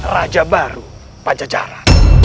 raja baru pancacara